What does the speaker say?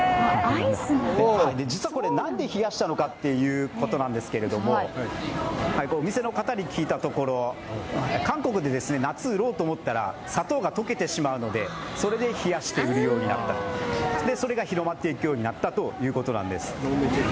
実はこれ、なんで冷やしたのかということなんですけれども、お店の方に聞いたところ韓国で夏、売ろうと思ったら砂糖が溶けてしまうので、それで冷やして売るようになったそれが広まっていくようになったということなんです。